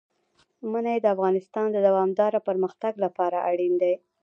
منی د افغانستان د دوامداره پرمختګ لپاره اړین دي.